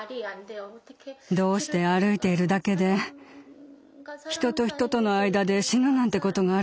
どうして歩いているだけで人と人との間で死ぬなんてことがあるんですか。